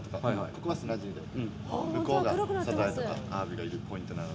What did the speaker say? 向こうがサザエとかアワビがいるポイントなので。